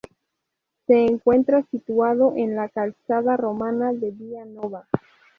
Se encuentra situado en la calzada romana de Vía Nova.